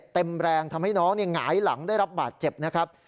เต็มแรงทำให้น้องหงายหลังได้รับบาดเจ็บนะครับ